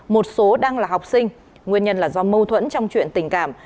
một số đang là học sinh nguyên nhân là do mâu thuẫn trong chuyện tình cảm